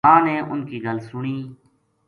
ماں نے اُنھ کی گل سنی